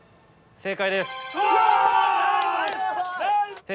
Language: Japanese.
正解です。